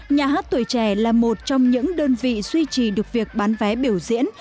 nhà hát tuổi trẻ là một trong những đơn vị duy trì được việc bán vé biểu diễn